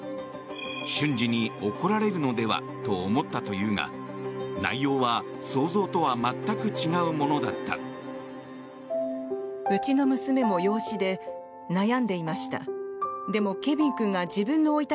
瞬時に怒られるのかと思っていたというが内容は想像とは全く違うものだった。